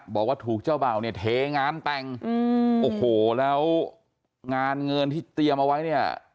บอกว่าถูกเจ้าเบ่าเนี่ยเทงานแต่งโอ้โหแล้วงานเงินที่เตรียมเอาไว้เนี่ย